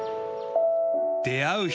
出会う人